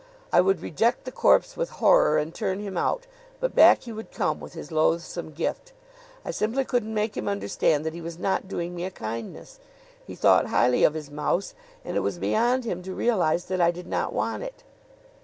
I would reject the corpse with horror and turn him out, but back he would come with his loathsome gift. I simply couldn't make him understand that he was not doing me a kindness. He thought highly of his mouse and it was beyond him to realize that I did not want it.